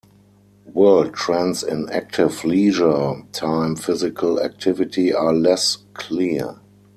World trends in active leisure time physical activity are less clear.